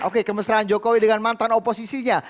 oke kemesraan jokowi dengan mantan oposisinya